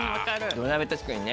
土鍋確かにね。